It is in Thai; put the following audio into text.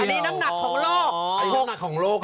อันนี้น้ำหนักของโลก